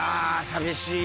寂しい？